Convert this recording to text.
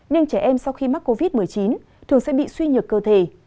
nhưng trẻ em sau khi mắc covid một mươi chín thường sẽ bị suy nhược cơ thể